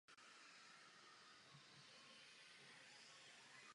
A vedle jste nakreslila myslivce s kníry.